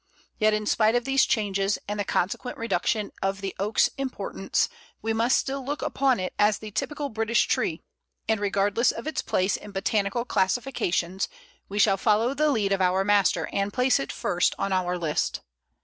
Yet in spite of these changes, and the consequent reduction of the Oak's importance, we must still look upon it as the typical British tree, and, regardless of its place in botanical classifications, we shall follow the lead of our master and place it first on our list.